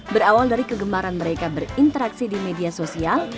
berawal dari kegemaran mereka berinteraksi di media sosial